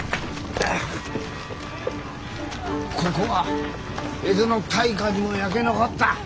ここは江戸の大火でも焼け残った！